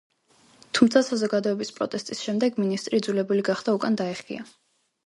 თუმცა საზოგადოების პროტესტის შემდეგ მინისტრი იძულებული გახდა უკან დაეხია.